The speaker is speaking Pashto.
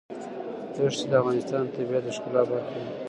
ښتې د افغانستان د طبیعت د ښکلا برخه ده.